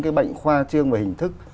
cái bệnh khoa trương và hình thức